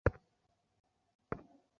Call দেবো?